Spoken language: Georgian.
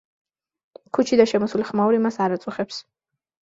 ქუჩიდან შემოსული ხმაური მას არ აწუხებს.